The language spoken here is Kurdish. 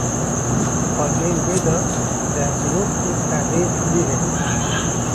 Di paceyên wê de derzîlok û perdeyên tûlî hebûn.